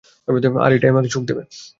আর এটাই আমাকে সুখ দেবে।